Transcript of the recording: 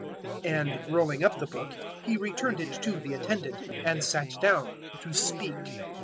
004:020 And rolling up the book, He returned it to the attendant, and sat down to speak.